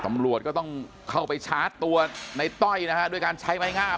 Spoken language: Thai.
ตำรวจก็ต้องเข้าไปชาร์จตัวในต้อยนะฮะด้วยการใช้ไม้งาม